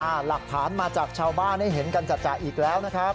หลักฐานมาจากชาวบ้านให้เห็นกันจัดอีกแล้วนะครับ